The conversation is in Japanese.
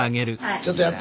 ちょっとやって。